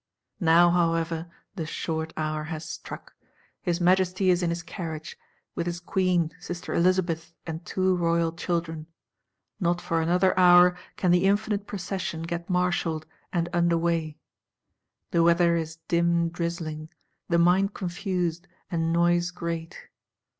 Now, however, the short hour has struck. His Majesty is in his carriage, with his Queen, sister Elizabeth, and two royal children. Not for another hour can the infinite Procession get marshalled, and under way. The weather is dim drizzling; the mind confused; and noise great.